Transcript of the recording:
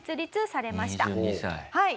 はい。